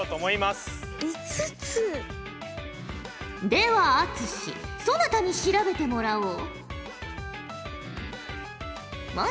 では篤志そなたに調べてもらおう。